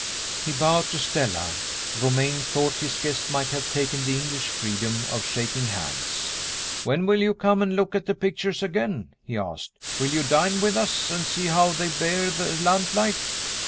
He bowed to Stella. Romayne thought his guest might have taken the English freedom of shaking hands. "When will you come and look at the pictures again?" he asked. "Will you dine with us, and see how they bear the lamplight?"